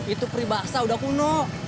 itu pribaksa udah kuno